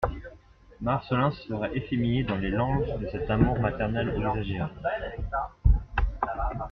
Marcelin se serait efféminé dans les langes de cet amour maternel exagéré.